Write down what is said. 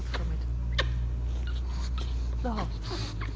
from it. TBS BOFTS.